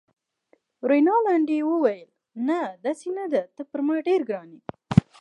رینالډي وویل: نه، داسې نه ده، ته پر ما ډېر ګران يې.